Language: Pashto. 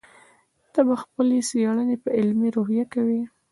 ته به خپلې څېړنې په علمي روحیه کوې.